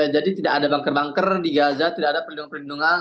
jadi tidak ada bangker bangker di gaza tidak ada perlindungan perlindungan